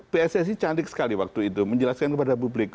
pssi cantik sekali waktu itu menjelaskan kepada publik